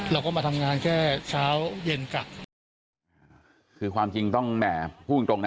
เราก็มาทำงานแค่เช้าเย็นกลับคือความจริงต้องแหมพูดจริงตรงนะ